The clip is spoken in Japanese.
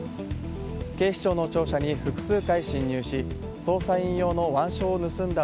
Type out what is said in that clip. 警視庁の庁舎に複数回侵入し捜査員用の腕章を盗んだ